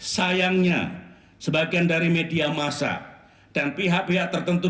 sayangnya sebagian dari media massa dan pihak pihak tertentu